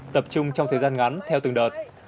tập trung trong thời gian ngắn theo từng đợt